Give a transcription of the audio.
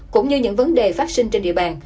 cũng như những vấn đề phát sinh trên địa bàn